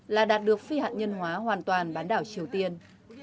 là đạt được phi hạt nhân hóa hoàn toàn bán đảo triều tiên